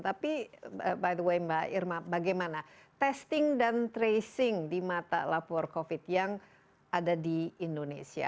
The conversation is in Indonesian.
tapi by the way mbak irma bagaimana testing dan tracing di mata lapor covid yang ada di indonesia